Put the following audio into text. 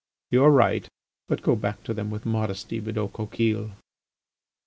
You are right; but go back to them with modesty, Bidault Coquille!"